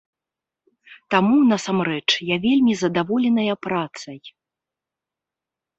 Таму, насамрэч, я вельмі задаволеная працай.